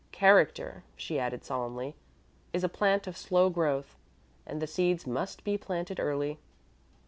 Character," she added solemnly, "is a plant of slow growth, and the seeds must be planted early."